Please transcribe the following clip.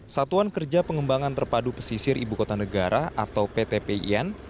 satuan kerja pengembangan terpadu pesisir ibu kota negara atau ptpin